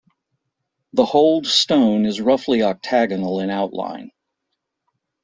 The holed stone is roughly octagonal in outline.